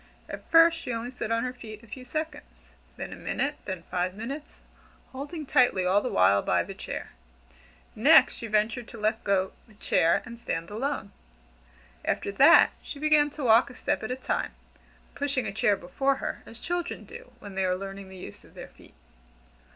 At first she only stood on her feet a few seconds, then a minute, then five minutes, holding tightly all the while by the chair. Next she ventured to let go the chair, and stand alone. After that she began to walk a step at a time, pushing a chair before her, as children do when they are learning the use of their feet.